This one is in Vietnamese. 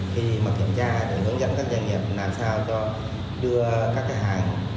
khi mà kiểm tra để hướng dẫn các doanh nghiệp làm sao cho đưa các cái hàng